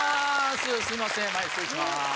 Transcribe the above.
すいません前失礼します